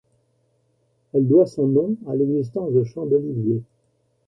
Elle doit son nom à l'existence de champs d'oliviers.